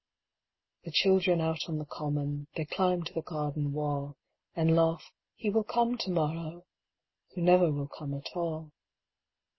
The children out on the common: They climb to the garden wall; And laugh: "He will come to morrow!" Who never will come at all.